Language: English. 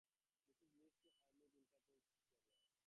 This leads to Hermite interpolation problems.